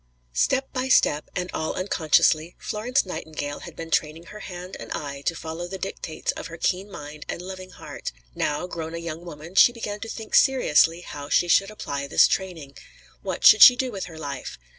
Step by step, and all unconsciously, Florence Nightingale had been training her hand and eye to follow the dictates of her keen mind and loving heart. Now, grown a young woman, she began to think seriously how she should apply this training. What should she do with her life?